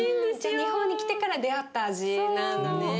日本に来てから出会った味なんだね。